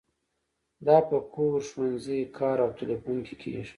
دا په کور، ښوونځي، کار او تیلیفون کې کیږي.